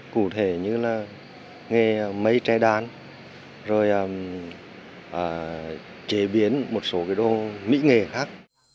cụ thể như là nghe mây tre đan rồi chế biến một số cái đồ mỹ nghề khác